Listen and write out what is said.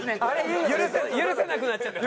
許せなくなっちゃったの？